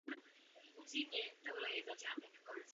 Jako důvod se uvádí nedostatek shody mezi nezařazenými poslanci.